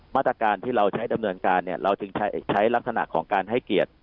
มาตรการที่เราใช้ดำเนินการเราจึงใช้ลักษณะของการให้เกียรติ